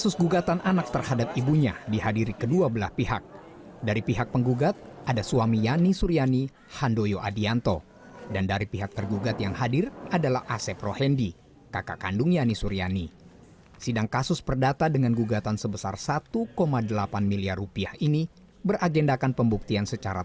siti rokayah mencari pembuktian